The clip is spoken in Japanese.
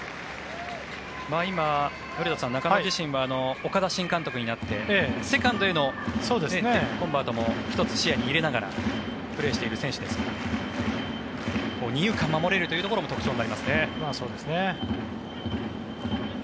今、古田さん中野自身は岡田新監督になってセカンドへのコンバートも１つ、視野に入れながらプレーしている選手ですが二遊間を守れるのも特徴になりますね。